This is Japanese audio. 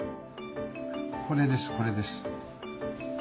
これですこれです。